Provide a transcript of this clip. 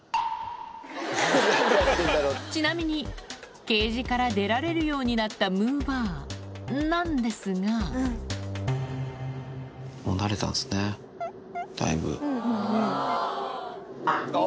ちなみにケージから出られるようになったむぅばあなんですがもうなれたんですねだいぶ。